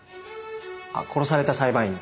あっ殺された裁判員の。